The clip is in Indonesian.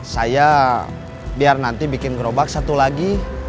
saya biar nanti bikin gerobak satu lagi